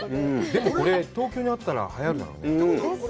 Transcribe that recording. でも、これ、東京にあったらはやるだろうね？